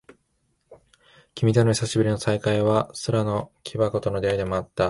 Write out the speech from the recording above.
君との久しぶりの再会は、空の木箱との出会いでもあった。